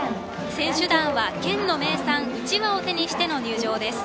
選手団は県の名産うちわを手にしての入場です。